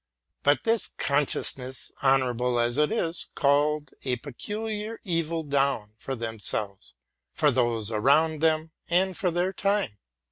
But this con sciousness, honorable as it is, called a peculiar evil down upon themselves, on those around them, and on their time.